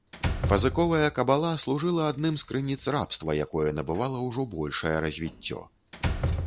Пазыковая кабала служыла адным з крыніц рабства, якое набывала ўжо большае развіццё.